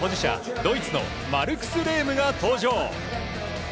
ドイツのマルクス・レームが登場。